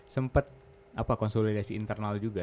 sempat konsolidasi internal juga